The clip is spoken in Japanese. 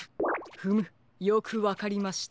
フムよくわかりました。